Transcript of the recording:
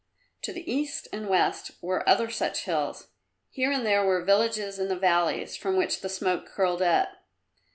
To the east and west were other such hills; here and there were villages in the valleys from which the smoke curled up.